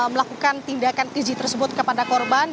melakukan tindakan izin tersebut kepada korban